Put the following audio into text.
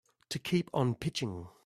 To keep on pitching.